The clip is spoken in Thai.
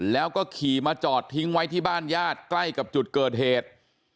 แล้วก็ขี่มาจอดทิ้งไว้ที่บ้านญาติใกล้กับจุดเกิดเหตุ